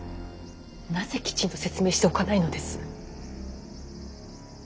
なぜきちんと説明しておかないのです。